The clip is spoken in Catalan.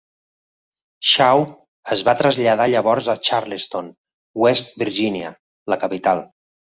Shaw es va traslladar llavors a Charleston, West Virginia, la capital.